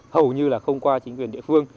hầu như không qua chính quyền địa phương